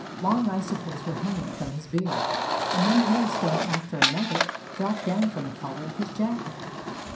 Long icicles were hanging from his beard, and one hailstone after another dropped down from the collar of his jacket.